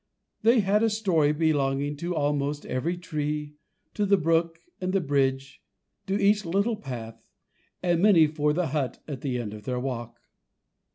They had a story belonging to almost every tree, to the brook and the bridge, to each little path, and many for the hut at the end of their walk.